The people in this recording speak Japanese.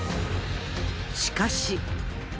しかし。